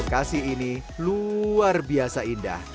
lokasi ini luar biasa indah